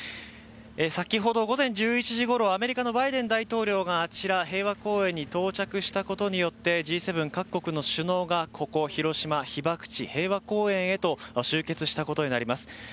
先ほど午前１１時ごろアメリカのバイデン大統領があちら、平和公園に到着したことによってＧ７各国の首脳がここ広島、被爆地、平和公園へと集結したことになります。